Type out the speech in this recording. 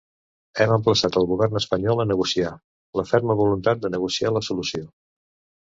Hem emplaçat el govern espanyol a negociar, la ferma voluntat de negociar la solució.